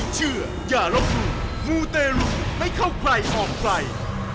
เชื่ออย่ารบหลุมมูเตลุไม่เข้าใกล้ออกไกล